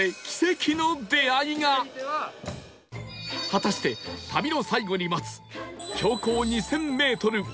果たして旅の最後に待つ標高２０００メートル